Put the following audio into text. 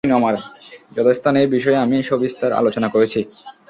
যথাস্থানে এ বিষয়ে আমি সবিস্তার আলোচনা করেছি।